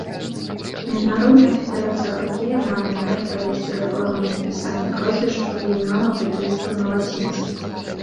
Міжнародная федэрацыя хакея мае намер правесці рэформу напісання прозвішчаў і імёнаў хакеістаў на лацінцы.